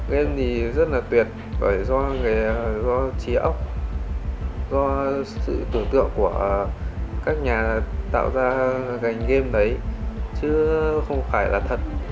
game thì rất là tuyệt bởi do trí ốc do sự tưởng tượng của các nhà tạo ra ngành game đấy chứ không phải là thật